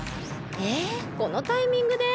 えこのタイミングで？